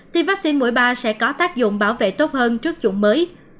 thì vaccine mũi ba sẽ có tác dụng bảo vệ tốt hơn trước chủng mới